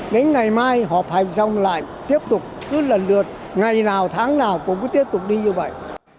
đến ngày mai họp hành xong lại tiếp tục cứ lần lượt ngày nào tháng nào cũng cứ tiếp tục đi như vậy